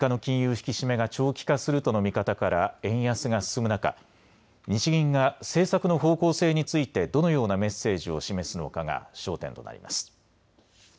引き締めが長期化するとの見方から円安が進む中、日銀が政策の方向性についてどのようなメッセージを示すのかが焦点となります。